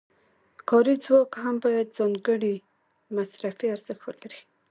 کاري ځواک هم باید ځانګړی مصرفي ارزښت ولري